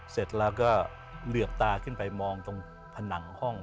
เสร็จแล้วก็เหลือบตาขึ้นไปมองตรงผนังห้อง